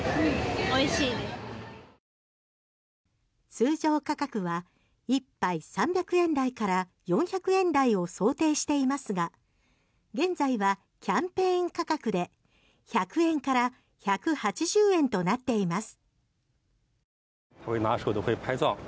通常価格は１杯３００円台から４００円台を想定していますが現在はキャンペーン価格で１００円から１８０円となっています。